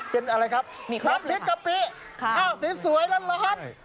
เป็นอะไรครับน้ำพริกกะปิอ้าวสีสวยแล้วเหรอครับ